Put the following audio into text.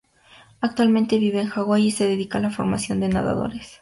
Actualmente vive en Hawái y se dedica a la formación de nadadores.